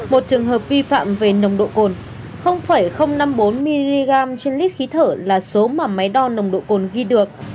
một trường hợp vi phạm về nồng độ cồn năm mươi bốn mg trên lít khí thở là số mà máy đo nồng độ cồn ghi được